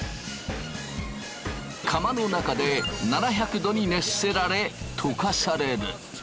釜の中で７００℃に熱せられ溶かされる。